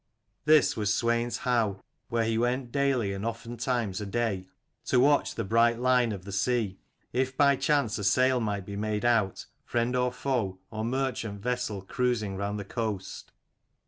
This was Swein's howe, where he went daily and often times a day, to watch the bright line of the sea, if by chance a sail might be made 18 out, friend or foe or merchant vessel cruising round the coast.